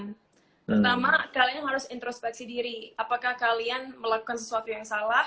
pertama kalian harus introspeksi diri apakah kalian melakukan sesuatu yang salah